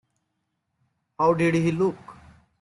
How did he look?